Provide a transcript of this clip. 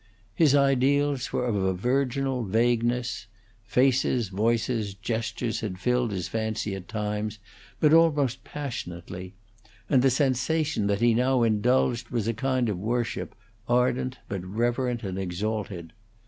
His ideals were of a virginal vagueness; faces, voices, gestures had filled his fancy at times, but almost passionately; and the sensation that he now indulged was a kind of worship, ardent, but reverent and exalted.